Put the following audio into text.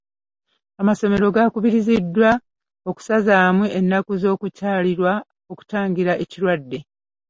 Amasomero gakubiriziddwa okusazaamu ennaku z'okukyalirwa okutangira ekirwadde.